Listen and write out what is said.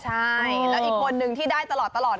ใช่แล้วอีกคนนึงที่ได้ตลอด